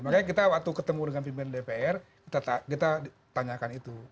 makanya kita waktu ketemu dengan pimpinan dpr kita tanyakan itu